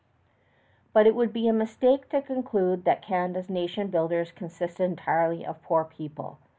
But it would be a mistake to conclude that Canada's nation builders consisted entirely of poor people.